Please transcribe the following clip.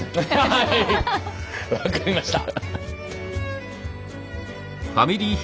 はい分かりました。